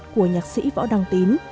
của nhạc sĩ võ đăng tín